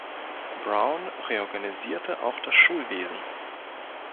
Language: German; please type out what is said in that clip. Brown reorganisierte auch das Schulwesen.